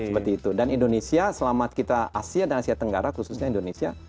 seperti itu dan indonesia selamat kita asia dan asia tenggara khususnya indonesia